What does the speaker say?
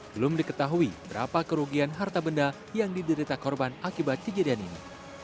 belum diketahui berapa kerugian harta benda yang diderita korban akibat kejadian ini